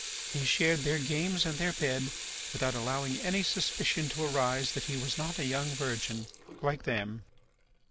He shared their games and their bed without allowing any suspicion to arise that he was not a young virgin like them.